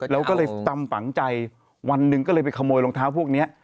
เราก็เลยจำฝังใจวันหนึ่งก็เลยไปขโมยรองเท้าพวกนี้